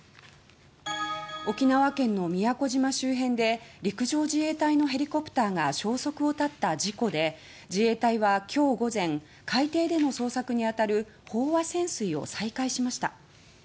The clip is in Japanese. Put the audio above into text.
沖縄県の宮古島周辺で陸上自衛隊のヘリコプターが消息を絶った事故で自衛隊は今日午前海底での捜索にあたる飽和潜水を再開しました。